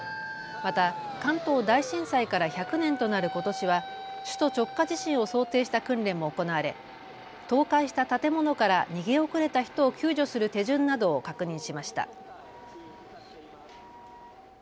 また関東大震災から１００年となることしは首都直下地震を想定した訓練も行われ倒壊した建物から逃げ遅れた人を救助する手順などを確認しました。